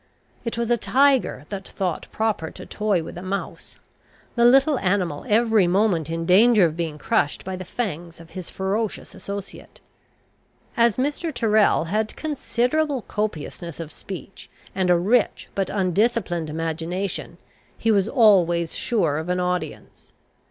It was a tiger that thought proper to toy with a mouse, the little animal every moment in danger of being crushed by the fangs of his ferocious associate. As Mr. Tyrrel had considerable copiousness of speech, and a rich, but undisciplined imagination, he was always sure of an audience.